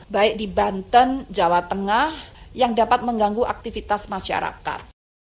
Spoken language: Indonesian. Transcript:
baik di banten jawa tengah yang dapat mengganggu aktivitas masyarakat